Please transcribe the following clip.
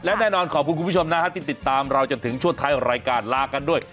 และแน่นอนขอบคุณคุณผู้ชมนะฮะที่ติดตามเราจนถึงช่วงท้ายรายการลากันด้วย